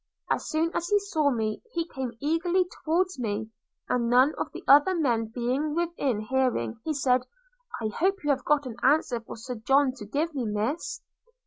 As soon as he saw me, he came eagerly towards me; and none of the other men being within hearing, he said, 'I hope you have got an answer for Sir John to give me, Miss?'